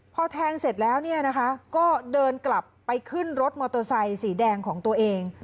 พอแทงเสร็จแล้วเนี่ยนะคะก็เดินกลับไปขึ้นรถมอเตอร์ไซค์สีแดงของตัวเอง